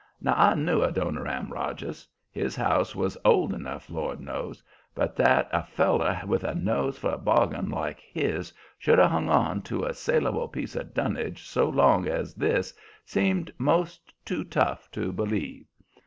Now, I knew Adoniram Rogers. His house was old enough, Lord knows; but that a feller with a nose for a bargain like his should have hung on to a salable piece of dunnage so long as this seemed 'most too tough to believe.